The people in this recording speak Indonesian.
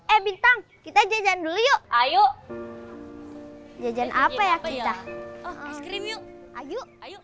eh bintang kita jajan dulu yuk ayo jajan apa ya ayo